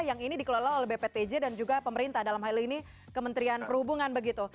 yang ini dikelola oleh bptj dan juga pemerintah dalam hal ini kementerian perhubungan begitu